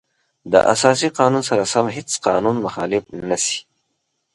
د اساسي قانون سره سم هیڅ قانون مخالف نشي.